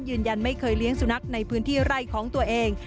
ยืนยันไม่เคยเลี้ยงสุนัขในพื้นที่ไร่ของตัวเอง